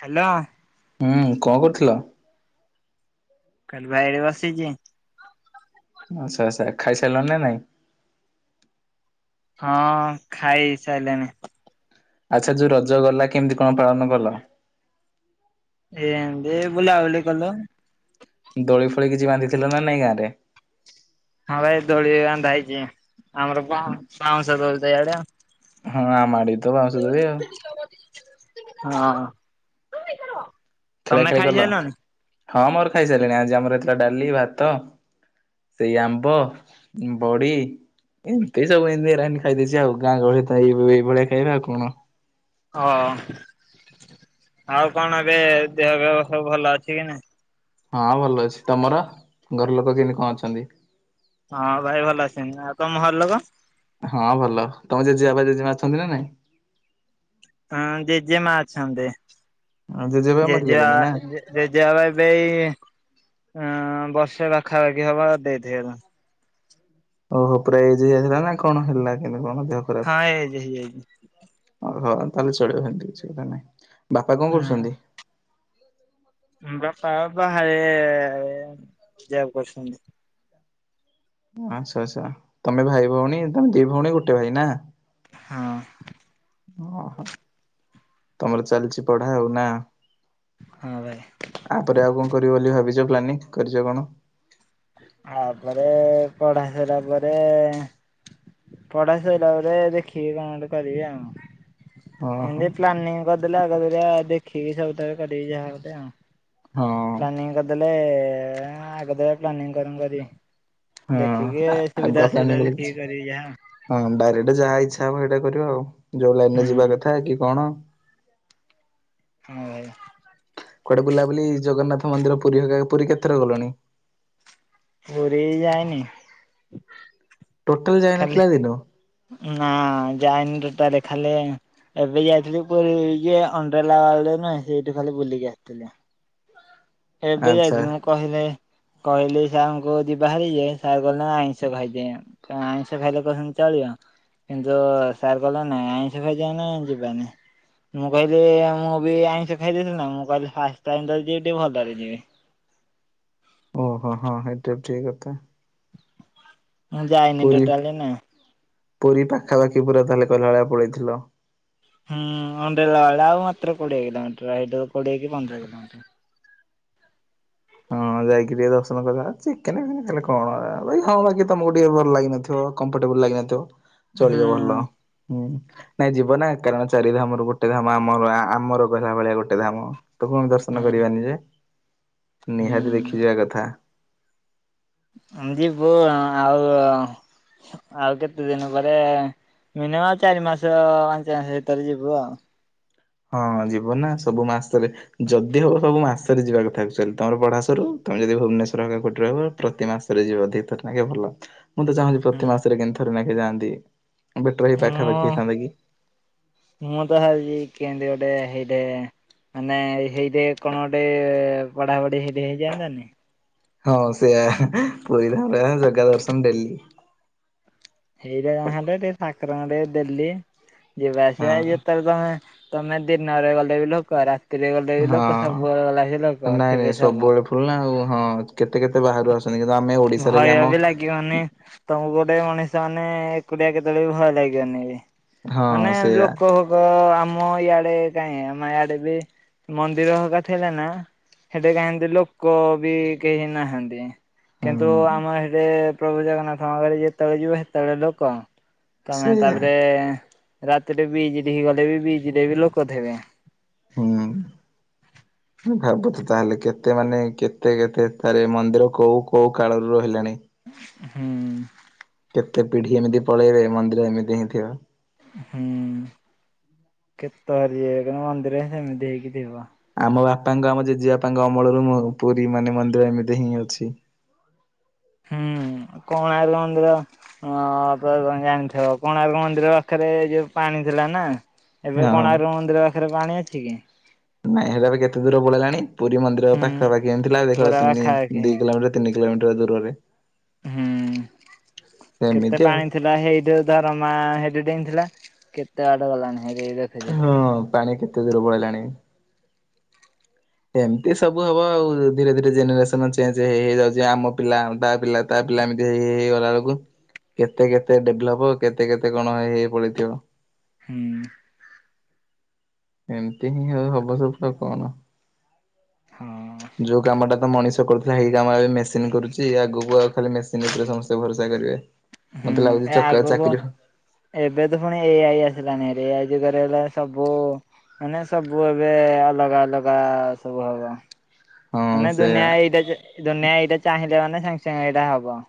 Hello. ହୁଁ କଣ କରୁଥିଲ? କାଲି ବାଇଡ଼ି ବସିଚି ଆଛା ଆଛା ଖାଇସାରିଲା ନା ନାଇଁ? ହଁ ଖାଇ ସାରିଲାଣି। ଆଚ୍ଛା ଯୋଉ ରଜ ଗଲା କେମିତି କଣ ପାଳନ କଲ? ଏ ବୁଲା ବଲେ କଲୁ। ଦୋଳି ଫଳି କିଛି ବାନ୍ଧିଥିଲା ନା ନାଇଁ ଗାଁରେ? ହଁ ଭାଇ ଦୋଳି ବନ୍ଧା ହେଇଚି। ଆମର ବା ବାଉଁଶଦ ସେଆଡ଼ିଆ ହଁ ଆ ମାଡ଼େ ତ ବାଉଁସ ଦୋଳି ଆଉ ହଁ। ଖେଳା ତମେ ଖେଳି କଲ? ଖାଇସଲଣି? ହଁ ମୋର ଖାଇ ସାରିଲିଣି ଆଜି ଆମର ଏଥିଲା ଡାଲି ଭାତ ସେଇ ଆମ୍ବ ବଡ଼ି ଏମିତି ସବୁ ଏମିତି ଏରା ଏମିତି ଖାଇଦେଇଛି ଆଉ ଗାଁ ଗହଳି ତ ଏଇ ଏଇଭଳିଆ ଖାଇବା ଆଉ କଣ। ହଁ ଆଉ କଣ ଏବେ ଦେହ ବେହ ସବୁ ଭଲ ଅଛି କି ନାଇ? ହଁ ଭଲ ଅଛି ତମର ଘର ଲୋକ କେମିତି କଣ ଅଛନ୍ତି? ହଁ ଭାଇ ଭଲ ଅଛନ୍ତି ଆଉ ତମ ଘର ଲୋକ? ହଁ ଭଲ ତମେ ଜେଜେବାଓ ପାଇଁ ଜେଜେମା ଅଛନ୍ତି ନା ନାଇଁ? ହଁ ଜେଜେମା ଅଛନ୍ତି। ଜେଜେବାପା ମରିଗଲେଣି ନା ଜେଜେବାପା ଜେଜେବାପା ଏବେ ଏଇ ଆଁ ବର୍ଷେ ପାଖାପାଖି ହବ ଡେଥ୍ ହେଇଗଲା। ଓହୋ ପୁରା ଏଜ୍ ହେଇ ଯାଇଥିଲା ନା କଣ ହେଲା କେବେ? ହଁ ଏଜ୍ ହେଇଯାଇଛି। ହଁ ଆଉ ତାହେଲେ ଚଳିବ ହେମିତି କିଛି କଥା ନାଇଁ। ବାପା କଣ କରୁଛନ୍ତି? ବାପ ବାହାରେ ଯବ୍ କରୁଛନ୍ତି। ଆଚ୍ଛା ଆଚ୍ଛା ତମେ ଭାଇ ଭଉଣୀ ତମେ ଦି ଭଉଣୀ ଗୋଟେ ଭାଇ ନା। ହଁ। ଓହୋ ତମର ଚାଲିଛି ପଢା ଆଉ ନା? ହଁ ଭାଇ। ଆପରେ ଆଉ କଣ କରିବ ବୋଲି ଭାବି ଜ ପ୍ଲାନିଂ କରିଛ କଣ? ଆ ପରେ ପଢା ସରିଲା ପରେ ପଢା ସରିଲା ପରେ ଦେଖିବି କଣ ଗୋଟେ କରିବି ଆଉ। ଓହୋ ହଁ ଏମିତି ପ୍ଲାନିଂ କ ହେଲେ ଆଗ ଦୁରିଆ ଦେଖିକି ସବୁ ତାହେଲେ କରିବି ଯାହା ଗୋଟେ ଆଉ। ପ୍ଲାନିଂ କରିଦେଲେ ଏ ଆଗ ଦେ ପ୍ଲାନିଂ ଗରମ୍ କରିବି। ଦେଖିକି ହଁ ସୁବିଧା ଆଗୁଆ ଅସୁବିଧା ପ୍ଲାନିଂ ଦେଖିକି ଲାଗିଛି କରିବି ଯାହା। ହଁ ଡାଇରେଟ ଯାହା ହେଇଛି ଟା ହବ କରିବ ଆଉ। ଯୋଉ ଲାଇନ ରେ ଯିବା ହୁଁ। କଥା କି କଣ। ହଁ ଭାଇ। କୁଆଡେ ବୁଲାବୁଲି ଜଗନ୍ନାଥ ମନ୍ଦିର ପୁରୀ ଭାଗା ପୁରୀ କେତଥର ଗଲଣି? ପୁରୀ ଯାଇନି। ଟୋଟାଲ ଖାଲି ଯାଇନଥିଲା ଦିନୁ? ନା ଯାଇନି ଟୋଟାଲେ ଖାଲି ଏବେ ଯାଇଥିଲି ପୁରୀ ଯେ ଅଣ୍ଡ୍ରେଲା ବାଲ୍ଡ ନୁହେଁ ସେଇଠୁ ଖାଲି ବୁଲିକି ଆସିଥିଲି। ଏବେ ଆଚ୍ଛା ଯାଇଥିଲି ନା କହିଲେ କହିଲି ସାର୍ଙ୍କୁ ଯିବାହାରି ଯେ ସାର୍ କହିଲ ନା ଆଇଁଷ ଖାଇଦେଁ ଆଇଁଷ ଖାଇଲେ କହୁଛନ୍ତି ଚଳିବ କିନ୍ତୁ ସାର୍ କହିଲେ ନାଇଁ ଆଇଁଷ ଖାଇଛେ ମାନେ ଯିବାନି ମୁଁ କହିଲି ମୁଁ ବି ଆଇଁଷ ଖାଇ ଦେଇଥିଲି ନା ମୁଁ କହିଲି ଫାଷ୍ଟ ଟାଇମ୍ ତ ଯିବି ଟିକେ ଭଲ ରେ ଯିବି। ଓହୋ ହଁ ହେଟା ବି ଠିକ କଥା। ମୁଁ ଯାଇନି ପୁରୀ ଟୋଟାଲି ନା। ପୁରୀ ପାଖାପାଖି ପୁରା କାଲି କହିଲା ଭଳିଆ ପଳେଇଥିଲ। ହୁଁ ଅଣ୍ଡେଲା ବେ ଆଉ ମାତ୍ର କୋଡିଏ କିଲୋମିଟରରୁ ଆଇଦର କୋଡିଏ କି ପନ୍ଦର କିଲୋମିଟର। ହଁ ଯାଇକି ଟିକେ ଦର୍ଶନ କରିବା, ଚିକେନ ଫିକେନ କଣ ଭାଇ ହଁ ବାକି ତମକୁ ଟିକେ ଭଲ ଲାଗିିନଥିବ କମ୍ଫର୍ଟେବୁଲ ଲାଗିିନଥିବ। ଚଳିବ ଭଲ, ହୁଁ ହୁଁ। ନାଇଁ ଯିବ ନା କାରଣ ଚାରିଧାମ ର ଗୋଟେ ଧାମ ଆମର ଆମର ଗଲା ଭଳିଆ ଗୋଟେ ଧାମ। ଠାକୁରଙ୍କୁ ଦର୍ଶନ ହୁଁ କରିବାନି ଯେ। ନିହାତି ହୁଁ ଦେଖିଯିବା କଥା। ଯିବୁ ଆଉ, ଆଉ, କେତେ ଦିନ ପରେ ମିନିମମ ଚାରି ମାସ, ପାଞ୍ଚ ମାସ ଭିତରେ ଯିବୁ ଆଉ। ହଁ ଯିବ ନା, ସବୁ ମାସରେ ଯଦି ହବ ସବୁ ମାସରେ ଯିବା କଥା ଆକଚୁଆଲି, ତମର ପଢାଶରୁ ତମେ ଯଦି ଭୁବନେଶ୍ଵର ହେଇକା କୋଉଠି ରହିବ ପ୍ରତି ମାସରେ ଯିବ ଅଧିକ ଥର ଲେଖା ଭଲ। ମୁଁ ତ ଚାହୁଁଛି ପ୍ରତି ମାସରେ କେମତି ଥରେ ଲେଖା ଯାଆନ୍ତି। ବେଟର ହେଇ ପାଖାପାଖି ହେଇଥାନ୍ତା ମୁଁ, କି ମୁଁ ତ ଭଲିଜି କେମତି ଅ ଗଟ ହେଇଟେ ମାନେ ହେଇଠେ କଣ ଗଟେ ପଢାପଢି ସେଇ ହେଇଯାଆନ୍ତାନି। ହଁ ସେଇଆ ପୁରୀରେ ରହିଲ ମାନେ, ଜଗା ଦର୍ଶନ ଡେଲି। ହେଇଟା ନା ହେଲେ ଟିକେ ପାଖ ଏଥର ନହେଲେ ଡେଲି। ଯିବା ଆସିବା ହଁ ଏଥର ତମେ ତମେ ଦିନରେ ଗଲେ ବି ଲୋକ, ରାତି ରାତିରେ ଗଲେ ଲୋକ ହଁ। ସବୁବେଳେ ଗଲା କି ନାଇଁ ନାଇଁ ଲୋକଥିବେ ସବୁ ସବୁବେଳେ ଫୁଲ ନା ଆଉ ହଁ କେତେ କେତେ ବାହାରୁ ଆସୁ ଭୟ ବି ଲାଗିବନି ତମକୁ ଗୋଟେ ମଣିଷ ମା ମାନେ ଏକୁଡିଆ କେତେବେଳେ ବି ଭଲ ଲାଗିବନି ବି। ହଁ ମାନେ ସେଇଆ ଲୋକୋଙ୍କ ଆମ ଆମ ଇଆଡେ କାହିଁ ଆମ ଇଆଡ଼େ ବି ମନ୍ଦିରକା ଥିଲା ନା, ସେଠେ କାହିଁ ଲୋକ ବି କେହି ନାହାନ୍ତି। କିନ୍ତୁ ହୁଁ ଆମର ସେରେ ପ୍ରଭୁ ଜଗନ୍ନାଥଙ୍କରେ ଯେତେବେଳେ ଯିବ ସେତେବେଳେ ଲୋକ। ତମେ ସେଇଆ ତାପରେ ରାତିରେ ବିଚ୍ ଗଲେ ବି ବିଚ୍ ରେ ବି ଲୋକ ଥିବେ। ହୁଁ ଭାବ ତ ତାହେଲେ କେତେ ମାନେ କେତେ କେତେ ତାରିଣୀ ମନ୍ଦିର କୋଉ କୋଉ କାଳରୁ ରହିଲାଣି। ହୁଁ। କେତେ ପିଢି ଏମିତି ପଳେଇବେ, ମନ୍ଦିର ଏମିତି ହିଁ ଥିବ। ହୁଁ କେତେ [inaudible] କ ମନ୍ଦିର ସେମିତି ହେଇକି ଥିବ। ମୋ ବାପାଙ୍କ ଆମ ଜେଜେ ବାପାଙ୍କ ଅମଳରୁ ମୁଁ ପୁରୀ ମାନେ ମନ୍ଦିର ଏମିତି ହିଁ ଅଛି। ହୁଁ କୋଣାର୍କ ମନ୍ଦିର କ ଜାଣିଥିବ, କୋଣାର୍କ ମନ୍ଦିର ପାଖରେ ଯୋଉ ପାଣି ଥିଲା ନା। ଏବେ ହଁ ହଁ କୋଣାର୍କ ମନ୍ଦିର ପାଖରେ ପାଣି ଅଛି କି? ନାଇଁ ସେଟା ବି କେତେ ଦୂର ପଳେଇଲାଣି ପୁରୀ ମନ୍ଦିର ହୁଁ ପାଖାପାଖି ଏମି ଥିଲା ଦେଖିଲ ପୁରା ତିନି ପାଖାପାଖି ଦି କିଲୋମିଟର ତିନି କିଲୋମିଟ ଦୂରରେ। ହୁଁ କେତେ ସେମିତି ଆଉ ପାଣି ଥିଲା ହେଇଠଉ ଧରମା ଡଁ ଥିଲା କେତେ ବାଡେ ଗଲାଣି। ହେରି ଦେଖୁଛ ହଁ ପାଣି କେତେ ଦୂର ପଳେଇଲାଣି। ଏମତି ସବୁ ହବ ଆଉ ଧୀରେ ଧୀରେ ଜେନେରେସନ ଚେଞ୍ଜ ହେଇ ହେଇଯାଉଛି ଆମ ପିଲା ତା ପିଲା ତା ପିଲା ଏମିତି ହେଇ ହେଇଗଲା ବେଳକୁ କେତେ କେତେ ଡେଭଲପ କେତେ କେତେ କଣ ହେଇଇ ପଳଥିବ। ହୁଁ। ଏମିତି ହିଁ ହଉ ହବ ସବ ପୁର କଣ। ହଁ ଯୋଉ କାମ ଟା ତ ମଣିଷ କରୁ ଇ କାମବେ ମେସିନ କରୁଛି ଆଗକୁ ଆଉ ଖାଲି ମେସିନ ଭରେ ସମସ୍ତେ ଭରସା କରିବେ। ହୁଁ ମତେ ଲାଗୁଛି ଏ ଚକା ଆଗକୁ ଚାକିରି ଏବେ ତ ପୁଣି ଏ ଆଇ ଆସିଲାନି ଏଆଇ ଗଲେ ସବୁ ମାନେ ସବୁ ଏବେ ଅଲଗା ଅଲଗା ସବୁ ହବ। ହଁ ମାନେ ସେଇଆ। ଦୁନିଆ ଏଇଟା ଦୁନିଆ ଏଇଟା ଚାହିଁଲେ ମାନେ ସାଙ୍ଗେ ସାଙ୍ଗେ ଏଇଟା ହବ।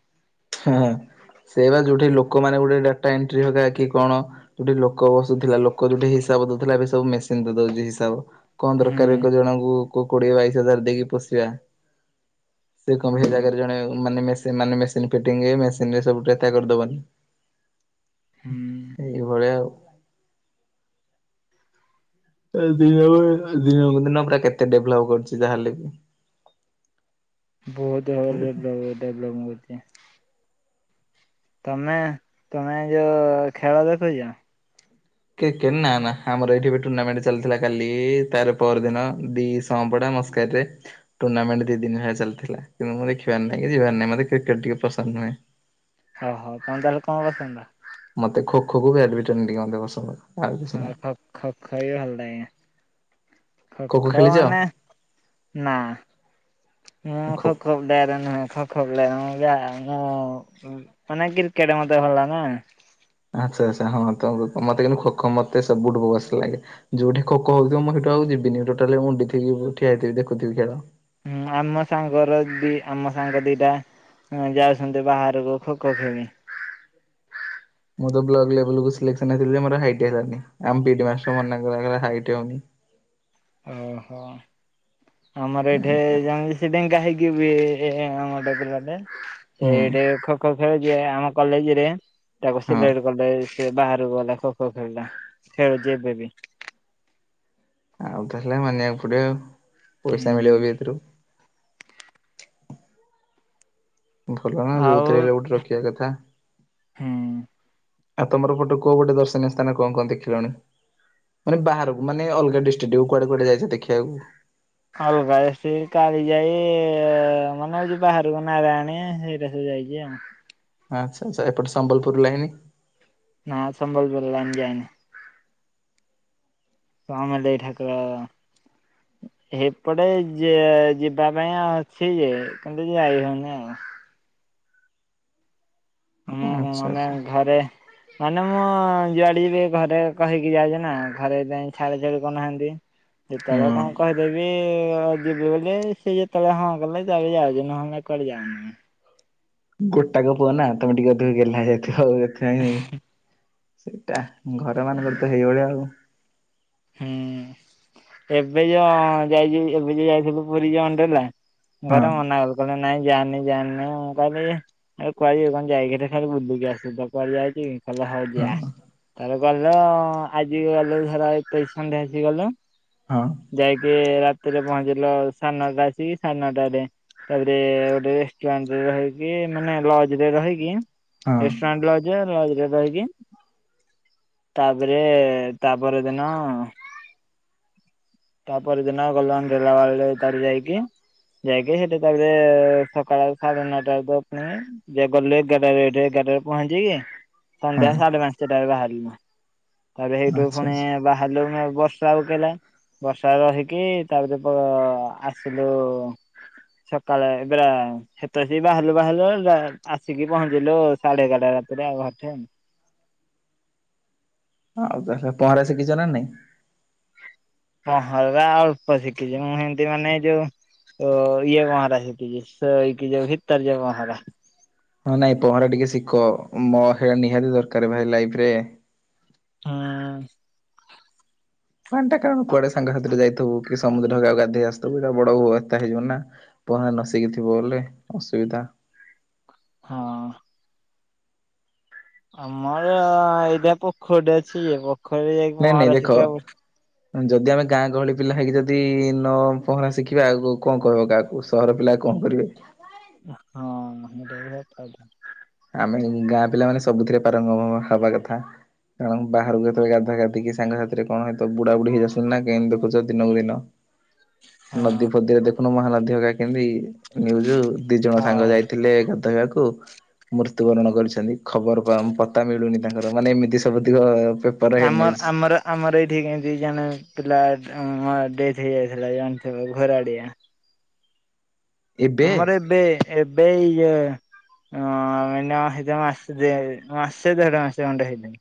ହଁ ସେଇ ବା ଯୋଉଠି ଲୋକମାନୋନେ ଗୋଟେ ଡାଟା ଏଣ୍ଟ୍ରି ହଗ କି କଣ ଯୋଉଠି ଲୋକ ବସୁଥିଲା ଲୋକ ଯୋଉଠି ହିସାବ ଦଉଥିଲା ଏବେ ସବୁ ମେସିନ ଦ ଦଉଛି ହିସାବ। କଣ ଦରକାର ଏକ ହଁ ଜଣଙ୍କୁ କୁ କୋଡିଏ ବାଇଶ ହଜାର ଦେଇକି ପୋଷିବା। ସେ କ ସେ ଜାଗାରେ ଜଣେ ମାନେ ସେମାନେ ବ ଫିଟିଙ୍ଗ ମେସିନ ରେ ସବୁତ୍ୟା କରିଦବନି। ହୁଁ ଏଇଭଳିଆ ଆଉ। ଦିନକୁ ଦିନକୁ ଦିନ ପୁରା କେତେ ଡେଭଲପ କରୁଛି ଯାହାେଲେ ବି। ବହୁତ ହର ତମେ ତମେ ଯୋଉ ଖେଳ ଦେଖୁଛ? କ୍ରିକେଟ ନା ନା ଆମର ଏଇଠି ବି ଟୁର୍ଣ୍ଣାମେଣ୍ଟ ଚାଲିଥିଲା, କାଲି ତାର ପର ଦିନ ଦିଶହପଡା ମସ୍କରେ ଟୁର୍ଣ୍ଣାମେଣ୍ଟ ଦି ଦିନ ହେଲା ଚାଲିଥିଲା କିନ୍ତୁ ମୁଁ ଦେଖିବାର ନାହିଁ କି ଯିବାର ନାହିଁ, ମତେ କ୍ରିକେଟ ଟିକେ ପସନ୍ଦ ନୁହେଁ। ଓହୋ କଣ ତାହେଲେ କଣ କସନ୍ତା [unintelligible] ମତେ ଖୋ ଖୋ କୁ ବ୍ୟାଡମିଟନ ଟକେ ପସନ୍ଦ। ଆଉ କିଛି ହଁ ନାହିଁ ଖ ଖ ଖ ବି ଭଲ ଲାଗେ ଖ ଖୋ ଖୋ ଖ ଖେଳିଛ? ମାନେ ନା ମୁଁ ଖୋ ଖ ଖବ ନୁହେ ଖ [unintelligible] ମାନେ କ୍ରିକେଟ ମତେ ଭଲ ନା। ଆଚ୍ଛା ଆଚ୍ଛା ହଁ ତ ମତେ କିନ୍ତୁ ଖୋ ଖୋ ମତେବୁଠୁୋକ ବସିଲ ଲାଗେ ଯୋଉଠି ଖୋ ହଉଥିବ। ମୁଁଇଠୁ ଆକୁ ଯିବିନି ଟୋଟାଲି ମୁଣ୍ଡିଥକି ଠିଆ, ହେଇଥି ଦେଖୁଥିବି ଖେଳ। ହୁଁ ଆମ ସାଙ୍ଗର ଦି ଆମ ସାଙ୍ଗ ଦିଟା ଯାଉଛନ୍ତି, ବାହାରକୁ ଖୋ ଖୋ ଖେଳି। ମୁଁ ତ ବ୍ଲ ଲଲ ଆର ହେଉନି [unintelligible] ଓ ହୋ। ଆମର ଏଠି ଏମିତି ଆଉ ଜାଣିଲ ସେ ଡେଙ୍ଗା ହେଇକି। ହୁଁ। ସେଇଟି ଖୋ ଖୋ। ଖେଳଛି ଆମ କଲେଜ ରେ। ତାକୁ ହଁ ସିଲେଟ କଲେ। ସେ ବାହାରକୁ ଗଲା ଖୋ ଖୋ ଖେଳିଲା, ଖେଳୁଛି ଏବେ ବି। ଆଉ ତା ହେଲେ ମାନିବାକୁ ପଡିବ ଆଉ। ପଇସା ମିଳିବ ବି ଏଥିରୁ। ଭଲ ନା ଆଉ ଯୋଉଥିରେ ହେଲେ ଗୋଟେ ରଖିବା କଥା। ହୁଁ ଆଉ ତମର ଫଟୋ କୋଉ ଗୋଟେ ଦର୍ଶନୀୟ ସ୍ଥାନ କଣ କଣ ଦେଖିଲାଣି ମାନେ ବାହାରକୁ ମାନେ ଅଲଗା ଡିଷ୍ଟ୍ରିକ୍ଟକୁ କୁଆଡେ କୁଆଡେ ଯାଇଛ ଦେଖିବାକୁ। ଅଲଗା ଏଠି କାଳୀଜାଇ ମାନେ ହଉଛି ବାହାରକୁ ନାରାଆଣୀ, ସେଇଟା ସବୁ ଯାଇଛି ଆଉ। ଆଚ୍ଛା ଆଛା ଏପଟ ସମ୍ବଲପୁର ଲାଇନି। ନାଁ ସମ୍ବଲପୁରଲାଇନି ଯାଇନି। ସମଲେଇ ଠାକୁର ଏପଟେ ଯେ ଯିବା ପାଇଁ ଅଛି ଯେ କିନ୍ତୁ ଯାଇ ହଉନି ଆଉ। ହୁଁ ହୁଁ ଆଚ୍ଛା ମାନେ ଆଚ୍ଛା। ଘରେ। ମାନେ ମୁଁ ଯୁଆଡେ ଯିବି ଘରେ କହିକି ଯାଛ ନା ଘରେ ସେଥିପାଇଁ ଛାଡ ଛାଡି କରନାହାନ୍ତି। ସେତେବେଳେ ହୁଁ କଣ କହିଦେବି। ଯିବି ବୋଲି ସ ଯେତେବେଳେ ହଁ କଲେ ଯ ଯାଉଛି ନହେଲେ କୁଆଡେ ଯାଉନି। ଗୋଟା କ ପୁଅ ନା ତମେ ଟିକେ ଅଧିକ ଗେଲ୍ଲା ହେଇଯାଉଥିବ। ଚାଉ ରଖ ହ ନାଇ [unintelligible] ସେଇଟା ଘର ମାନଙ୍କର ତ ହେଇଭଳିଆ ଆଉ। ହୁଁ ଏବେ ଯୋଉ ଯାଇ ଏବେ ଯୋଉ ଯାଇଥିଲୁ ପୁରୀ ଯୋ ଅଣ୍ଡେଲା। ହଁ ଗରମ ମ ନା ଗ କ [unintelligible] ନାଇଁ ଜାଣି ଜାଣି ମୁଁ କହିଲି କୁହାଯିବ କଣ ଯାଇକି ଖାଲି ବୁଲୁକି ଆସୁ ତ କୁଆଡେ ଯାଇଛି କି। ଭଲ ହଉ ହଁ ଯା ତାର। ଗଲ ଆଜି ଗଲୁ ଧର। ଏଇ ସନ୍ଧ୍ୟୋ ଆସିଗଲ [unintelligible] ହଁ ଯାଇକି ରା। ରାଥିରେ ପହଞ୍ଚିଲ ସାଢ଼େ ନଅଟା ଆସିକି ସାଢ଼େ ନଅଟରେ ତାପରେ ଗୋଟେ ରେଷ୍ଟୁରାଣ୍ଟରେ ରହିକି ମାନେ ଲଜ ରେ ରହିକି। ହଁ। ଏଷ୍ଟ ମଣ୍ଡଲ ଅଜା ରକି ତାପରେ ତାପରେ ଦିନ ତାପ ଦିନ ଗଲ ଗଲା ବଳାର ଯାଇକି ଯାଇକି ସେଠି ତାପରେ ସକାଳ ସାଢେ ନଅଟା ପୁଣି ଯ ଗଲେ ଏଗାରଟଠ ଏଗାରଟ ପହଞ୍ଚିକି। ସନ୍ଧ୍ୟା ହଁ ସାଢ଼େ ପାଞ୍ଚଟ ବା ହଲମା ତାପରେ ସେଇଠୁ ଆଚ୍ଛା ପୁଣି ଆଚ୍ଛା ବାହାରଲୁ ବର୍ଷା ଆ କଲା ବର୍ଷା ରହିକି ତାପରେ ଆସିଲୁ ସକାଳେ ଏବେରାତ ବାହାରିଲୁ ବାହାରିଲୁ ଆସିକି ପହଞ୍ଚିଲୁ ସାଢେ ଏଗାରଟା ରାତିରେ ଆଉ ଘର ଆ ଆଉ ତା ପହଁରା ଶିଖିଛ ନା ନାଇଁ। ପହଁରା ଅଳ୍ପ ଶିଖିଛି ମୁଁ ସେମିତି ମାନେ ଯୋଉ ଇଏ ପହଁରା ଶିଖିଛିଇକି ଯୋଉ ଭିତର୍ଯ୍ୟ ପହଁରା। ହଁ ନାଇଁ ପହଁରା ଟିକେ ଶିଖ ମୋ ନିହାତି ଦରକାର ଭାଇ ଲାଇରେ ହଁ। ପାଣିଟା କାରଣ କୁଆଡେ ସାଙ୍ଗସାଥିରେ ଯାଇଥିବୁ କି ସମୁଦ୍ରକକୁ ଗାଧେଇ ଆସିଥିବୁ ଏଇଟା ବଡବସ୍ଥା ହେଇଯିବ ନା ପହରେ ନସିକିଥିବ ବଲେ ଅସୁବିଧା। ହଁ। ଆମର ଏଇଟା ପୋଖରଟ ଅଛି ଇ ଖରେ ଯାଇକି ନାଇଁ ନାଇଁ ମହାର ଦେଖ ଶଖା ଯଦି ଆମେ ଗାଁ ଗହଳି ପିଲା ହେଇକି ଯଦି ନ ପହଁରା ଶିଖିବାେ ଆଉ କଣ କହିବ କାହାକୁ ସହର ପିଲା କଣ କରିବେ। ହଁ ସେଇଟା ଫାଇଦା ଆମେ ଗାଁ ପିଲାମାନୋନେ ସବୁଥିରେ ପାରଙ୍ଗ ହବା କଥା କାରଣ ବାହାରକୁ ଯେତେବେଳେ ଗାଧା ଗାଧିକି ସାଙ୍ଗସାଥିରେ କଣ ହତ ବୁଢା ବୁଢୀ ହେଇଯାଉୁି ନା କେହିମତି ଦେଖୁଛ ଦିନକୁ ଦିନ ହଁ ନଦୀ ଫଦୀରେ ଦେଖ ମହାନଧ୍ୟ କା କେମତି ନିୁଜ ଦି ଜଣ ସାଙ୍ଗ ହଉ। ଯାଇଥିଲେ? ଗଦେଇବାକୁ ମୃତ୍ୟୁବରଣ କରିଛନ୍ତି ଖବର ମିଳୁନି ତାଙ୍କ ମାନେ ଏମିତି ସବୁ ସେିକ [inaudible] ଆମର ଆମର ଆମର ଏଇଠି କେମତି ଜଣେ ପିଲା ଡେଥ ହେଇଯାଇଥିଲା ଜାଣିିବ ଘର ଆଡିଆ। ଆମର ଏବେ ଏବେ ଇ ଏ ହଁମ ହେଇ ମାସେ ମାସେ ଦେଢ ମାସେ ଖଣ୍ଡେ ହେଇଯ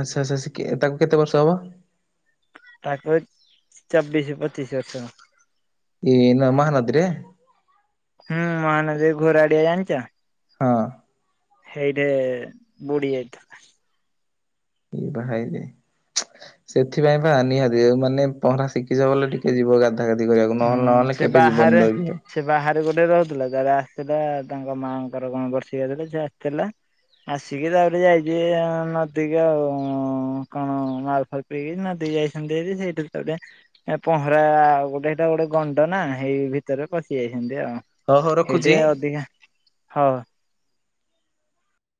ଆଚ୍ଛା ଆଛା ତାକୁ କେତେ ବର୍ଷ ହବ? ତାକୁ ଚବିଶ ପଚିଶ ବର୍ଷ। ଏଇ ନା ମାହାନଦିରେ ସେ ଘୋର ଆଡିଆ ଜାଣିଛ? ହେଇ ଟେ ମୁଡ଼ିଜାଇଥିଲା। ଇ ବା ହେଇଯାଏ ସେଥିପାଇଁ ବା ନିହାତି ଆଉ ମାନେ ପହଁରା ଶିଖିଛ ବଲେ ଟିକେ ଯିବ ଗା କତି କରିବାକୁ ନହେଲେ ହୁଁ ନହେଲେ ସେ କେବେ ବାହାରେ ଯିବନିଡର। ସେ ବାହାରେ ଗୋଟେ ରହୁଥିଲା ତାର ଆସିଥିଲା ତାଙ୍କ ମାଆଙ୍କର କଣ ବର୍ଷିକାଥିଲା ସେ ଆସିଥିଲା ଆସିକି ତାପରେ ଯାଇଛି ନଦୀକୁ ଆଉ କଣ ମାଲଫାଲ ପିଇକି ନଦୀ ଯାଇଛନ୍ତି ଭାରି ସେଇଠି ତାପରେ ପହଁରା ଆଉ ଗୋଟେ ଏଇଟା ଗୋଟେ ଗଣ୍ଡ ନା ହେଇ ଭିତରେ ପଶି ଯାଇଛନ୍ତି। ଉ ହଉ ହଉ ହେଇଟି ରଖୁଛି। ଅଧିକା ହଁ।